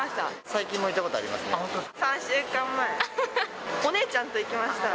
最近も行ったことありますね。